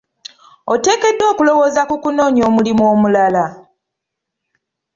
Oteekeddwa okulowooza ku kunoonya omulimu omulala.